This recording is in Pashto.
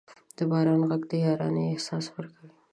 د باران ږغ د یارانې احساس ورکوي.